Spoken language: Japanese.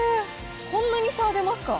こんなに差出ますか？